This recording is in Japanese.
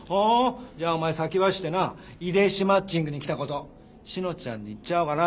じゃあお前先走ってな遺伝子マッチングに来た事志乃ちゃんに言っちゃおうかな。